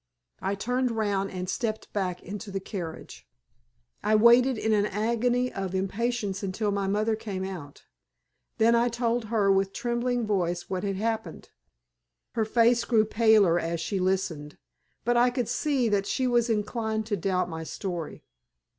I turned round and stepped back into the carriage. I waited in an agony of impatience until my mother came out. Then I told her with trembling voice what had happened. Her face grew paler as she listened, but I could see that she was inclined to doubt my story.